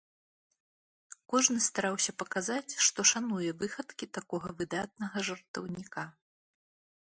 Кожны стараўся паказаць, што шануе выхадкі такога выдатнага жартаўніка.